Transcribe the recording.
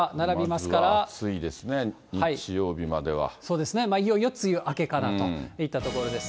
まずは暑いですね、そうですね、いよいよ梅雨明けかなといったところです。